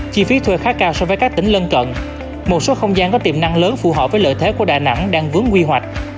chi phí thuê khá cao so với các tỉnh lân cận một số không gian có tiềm năng lớn phù hợp với lợi thế của đà nẵng đang vướng quy hoạch